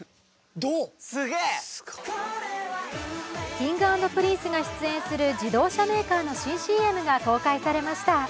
Ｋｉｎｇ＆Ｐｒｉｎｃｅが出演する自動車メーカーの新ＣＭが公開されました。